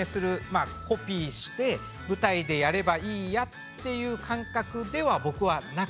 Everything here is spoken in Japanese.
まあコピーして舞台でやればいいやっていう感覚では僕はなくて。